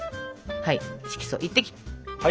はい色素１滴。